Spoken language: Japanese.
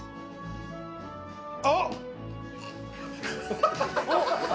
あっ！